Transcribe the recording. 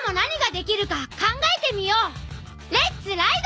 レッツライド！